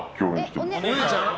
お姉ちゃん？